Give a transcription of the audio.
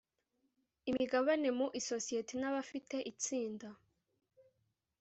imigabane mu isosiyete n abafite itsinda